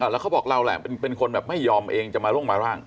แล้วเขาบอกเราแหละเป็นคนแบบไม่ยอมเองจะมาร่งมาร่าง